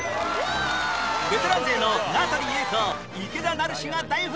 ベテラン勢の名取裕子池田成志が大奮闘！